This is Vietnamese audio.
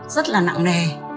rất là nặng nề